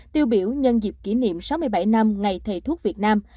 tiêu biểu nhân dịp kỷ niệm sáu mươi bảy năm ngày thầy thuốc việt nam